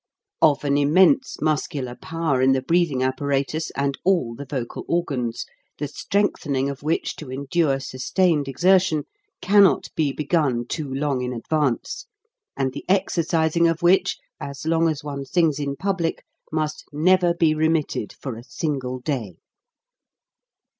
Of an immense muscular power in the breathing apparatus and all the vocal organs, PRELIMINARY PRACTICE 13 the strengthening of which to endure sustained exertion cannot be begun too long in advance ; and the exercising of which, as long as one sings in public, must never be remitted for a single day.